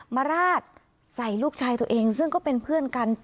มาราดใส่ลูกชายตัวเองซึ่งก็เป็นเพื่อนกัน